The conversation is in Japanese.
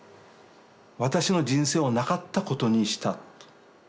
私の人生をなかったことにした。